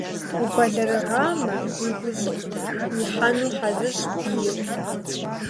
Убэлэрыгъамэ, уи гущӀыӀу ихьэну хьэзырщ бийр.